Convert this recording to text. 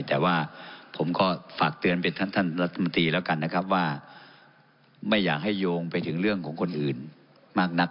แต่ว่าผมก็ฝากเตือนไปท่านรัฐมนตรีแล้วกันนะครับว่าไม่อยากให้โยงไปถึงเรื่องของคนอื่นมากนัก